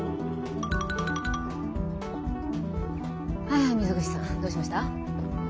はいはい溝口さんどうしました？